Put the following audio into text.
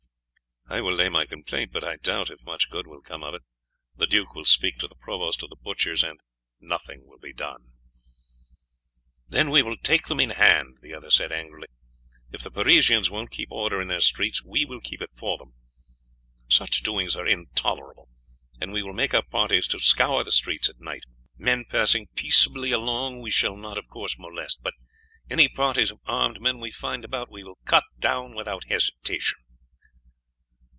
"I will lay my complaint, but I doubt if much good will come of it. The duke will speak to the provost of the butchers, and nothing will be done." "Then we will take them in hand," the other said angrily. "If the Parisians won't keep order in their streets we will keep it for them. Such doings are intolerable, and we will make up parties to scour the streets at night. Men passing peaceably along we shall not of course molest, but any parties of armed men we find about we will cut down without hesitation."